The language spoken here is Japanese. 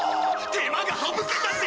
手間がはぶけたぜ！